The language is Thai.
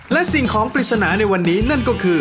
และสิ่งของปริศนาในวันนี้นั่นก็คือ